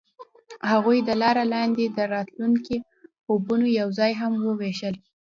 هغوی د لاره لاندې د راتلونکي خوبونه یوځای هم وویشل.